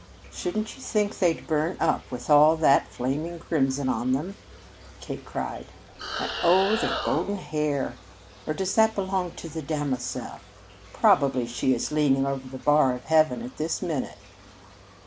"Shouldn't you think they'd burn up with all that flaming crimson on them?" Kate cried. "And, oh, their golden hair! Or does that belong to the Damosel? Probably she is leaning over the bar of heaven at this minute."